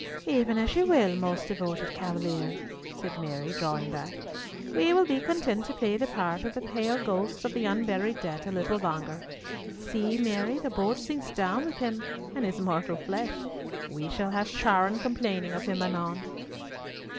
"Even as you will, most devoted cavalier," said Mary, drawing back; "we will be content to play the part of the pale ghosts of the unburied dead a little longer. See, Mary, the boat sinks down with him and his mortal flesh! We shall have Charon complaining of him anon."